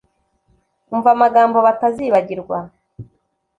umva amagambo batazibagirwa